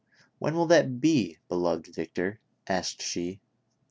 " When will that be, beloved Victor V " asked she.